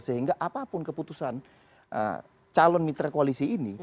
sehingga apapun keputusan calon mitra koalisi ini